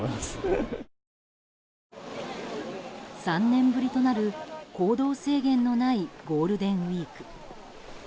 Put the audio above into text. ３年ぶりとなる行動制限のないゴールデンウィーク。